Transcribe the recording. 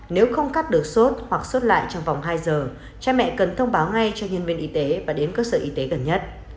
nếu không cắt được sốt hoặc sốt lại trong vòng hai giờ cha mẹ cần thông báo ngay cho nhân viên y tế và đến cơ sở y tế gần nhất